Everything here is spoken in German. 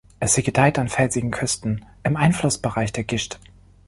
Sie gedeiht an felsigen Küsten im Einflussbereich der Gischt.